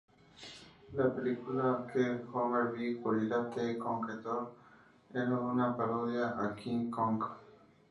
La película que Homer ve, "Gorilla the Conqueror", es una parodia a "King Kong".